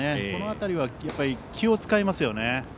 その辺りは気を使いますよね。